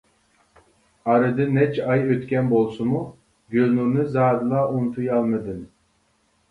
ئارىدىن نەچچە ئاي ئۆتكەن بولسىمۇ گۈلنۇرنى زادىلا ئۇنتۇيالمىدىم.